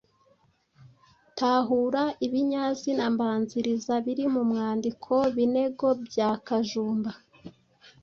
Tahura ibinyazina mbanziriza biri mu mwandiko “Binego bya Kajumba”